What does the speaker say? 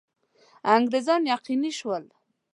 انګرېزان یقیني شول.